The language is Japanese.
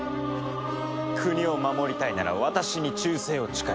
国を守りたいなら私に忠誠を誓え。